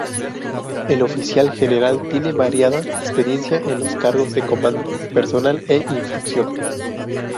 El oficial general tiene variada experiencia en los cargos de comando, personal e instrucción.